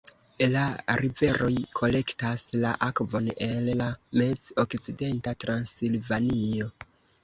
La riveroj kolektas la akvon el la Mez-Okcidenta Transilvanio.